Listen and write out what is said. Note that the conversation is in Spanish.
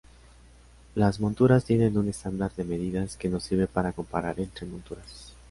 Las monturas tienen un estándar de medidas que nos sirve para comparar entre monturas.